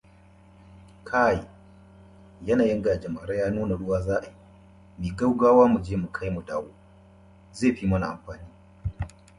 In current society the internal combustion is used in the exceptional modern car.